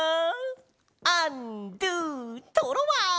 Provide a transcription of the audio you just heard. アンドゥトロワ！